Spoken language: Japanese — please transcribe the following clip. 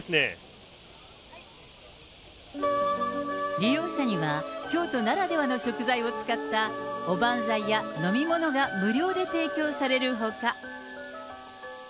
利用者には、京都ならではの食材を使ったおばんざいや飲み物が無料で提供されるほか。